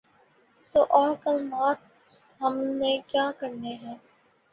تو اور کمالات ہم نے کیا کرنے ہیں۔